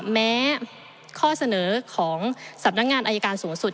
แม้ข้อเสนอของสำนักงานอายการสูงสุด